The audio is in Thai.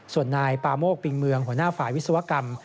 ส่วนนายปาโมกปิงเมืองหัวหน้าฝ่ายวิศวกรรม